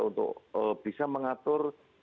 untuk bisa mengatur